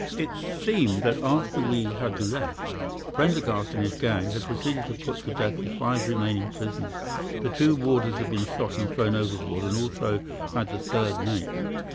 "'It seemed that after we had left, Prendergast and his gang had proceeded to put to death the five remaining prisoners. The two warders had been shot and thrown overboard, and so also had the third mate.